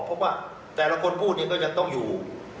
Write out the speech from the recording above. เพราะว่าแต่ละคนพูดเนี่ยก็ยังต้องอยู่